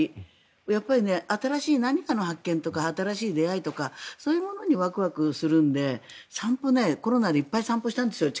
やっぱり、新しい何かの発見とか新しい出会いとかそういうものにワクワクするので散歩、コロナで近くをいっぱい散歩したんですよ。